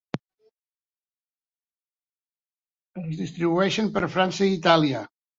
Es distribueixen per a França i Itàlia.